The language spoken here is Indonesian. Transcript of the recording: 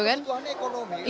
tapi ketentuan ekonomi